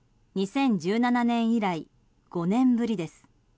２０１７年以来５年ぶりです。